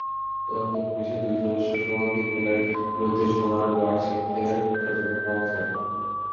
তদন্তে পুলিশের দুই সদস্যসহ তিনজনের বিরুদ্ধে সোনার বার ছিনতাইয়ের সত্যতা পাওয়া যায়।